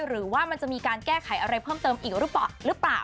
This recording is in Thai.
หรือว่ามันจะมีการแก้ไขอะไรเพิ่มเติมอีกหรือเปล่า